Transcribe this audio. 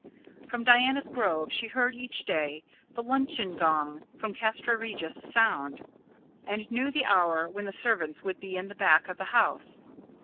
From Diana's Grove she heard each day the luncheon gong from Castra Regis sound, and knew the hour when the servants would be in the back of the house.